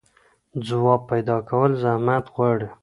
ځواب پيدا کول زحمت غواړي.